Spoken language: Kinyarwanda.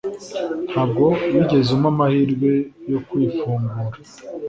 ntabwo wigeze umpa amahirwe yo kwifungura.